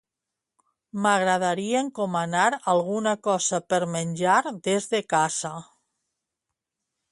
M'agradaria encomanar alguna cosa per menjar des de casa.